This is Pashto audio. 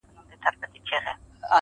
o د بل تر زوى خپله پکه لور لا ښه ده.